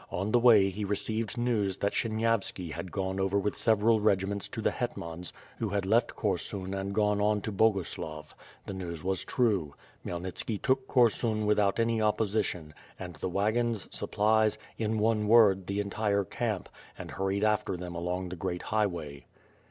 On the way he received news that Sienyavski had gone over with several regiments to the hetmans, who had left Korsun and had gone on to Boguslav. The news was true. Khmyelnitski took Korsun without any opposition, and the wagons, supplies, in one word, the entire camp, and hurried after them along the great highway.